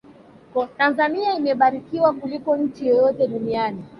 tanzania imebarikiwa kuliko nchi yoyote duniani